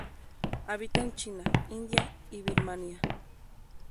Habita en China, India y Birmania.